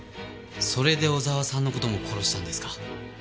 それで小沢さんの事も殺したんですか？